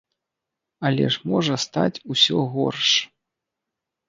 Але ж можа стаць усё горш.